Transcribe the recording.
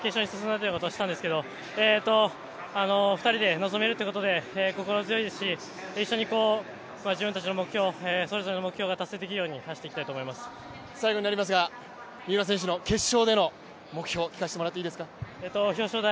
今、青木選手が決勝に進んだということを知ったんですけど２人で臨めるということで、心強いですし一緒に自分たちの目標、それぞれの目標を達成できるよう三浦選手の決勝での目標聞かせてもらっていいですか？